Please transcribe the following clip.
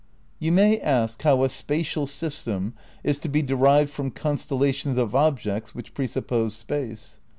You may ask how a spatial system is to be derived from constellations of objects which presuppose space?